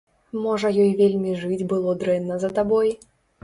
Можа ёй вельмі жыць было дрэнна за табой?